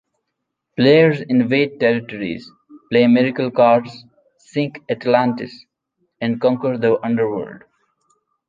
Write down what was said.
Players invade territories, play miracle cards, sink Atlantis, and conquer the underworld.